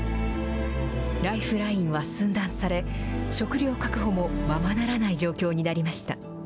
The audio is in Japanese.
ライフラインは寸断され、食料確保もままならない状況になりました。